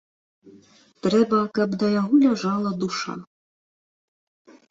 Трэба, каб да яго ляжала душа.